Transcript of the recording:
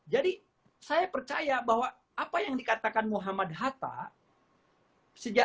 jadi saya percaya bahwa apa yang dikatakan muhammad hatta